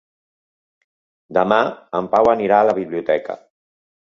Demà en Pau anirà a la biblioteca.